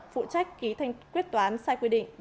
phụ trách ký thanh quyết toán sai quy định